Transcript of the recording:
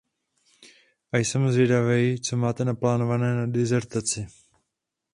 A jsem zvědavej, co máte naplánované na dizertaci.